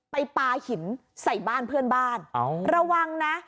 ปลาหินใส่บ้านเพื่อนบ้านระวังนะ